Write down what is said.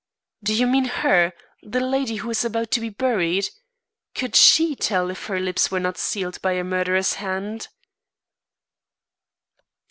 "Do you mean her the lady who is about to be buried? Could she tell if her lips were not sealed by a murderer's hand?"